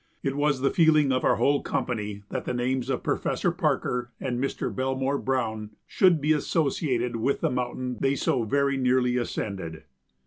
It was the feeling of our whole company that the names of Professor Parker and Mr. Belmore Browne should be associated with the mountain they so very nearly ascended.